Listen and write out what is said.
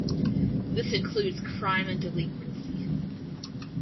This includes crime and delinquency.